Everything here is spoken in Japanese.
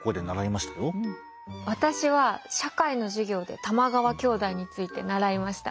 私は社会の授業で玉川兄弟について習いました。